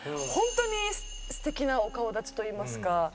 本当に素敵なお顔立ちといいますか。